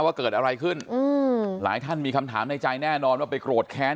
ว่าเกิดอะไรขึ้นอืมหลายท่านมีคำถามในใจแน่นอนว่าไปโกรธแค้น